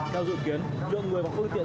theo dự kiến lượng người và phương tiện